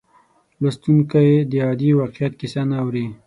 لوستونکی د عادي واقعیت کیسه نه اوري.